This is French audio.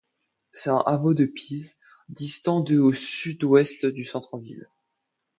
C'est un hameau de Pise, distant de au sud-ouest du centre-ville.